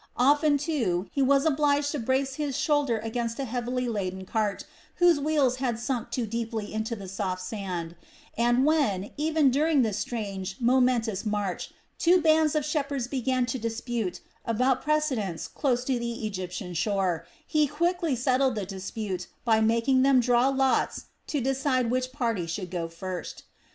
Often, too, he was obliged to brace his shoulder against a heavily laden cart, whose wheels had sunk too deeply into the soft sand; and when, even during this strange, momentous march, two bands of shepherds began to dispute about precedence close to the Egyptian shore, he quickly settled the dispute by making them draw lots to decide which party should go first.